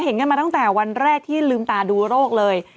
เห็นกันมาตั้งแต่วันแรกที่ลืมตาดูโรคเลย